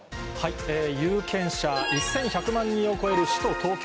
有権者１１００万人を超える首都東京。